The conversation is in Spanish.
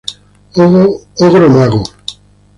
Ogro mago.